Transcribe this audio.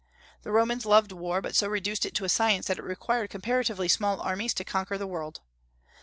The Romans loved war, but so reduced it to a science that it required comparatively small armies to conquer the world.